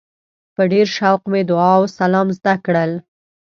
په ډېر شوق مې دعا او سلام زده کړل.